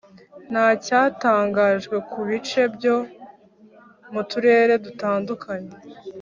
ntacyatangajwe ku bice byo mu turere dutandukanye